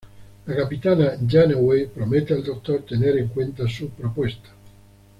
La capitana Janeway promete al Doctor tener en cuenta su propuesta.